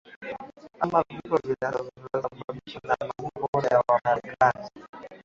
ama vifo vinavyosababishwa na makombora ya wamarekani